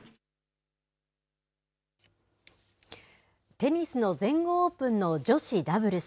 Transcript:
テニスの全豪オープンの女子ダブルス。